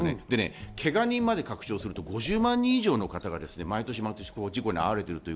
けが人まで拡張すると５０万人以上の方が毎年毎年事故に遭われている。